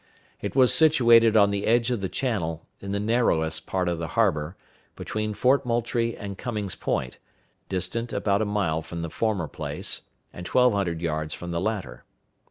It was situated on the edge of the channel, in the narrowest part of the harbor, between Fort Moultrie and Cummings Point, distant about a mile from the former place, and twelve hundred yards from the latter.